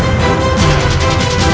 apa apa pun yang dicanyakan